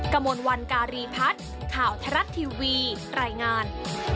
กระมวลวันการีพัฒน์ข่าวทรัฐทีวีรายงาน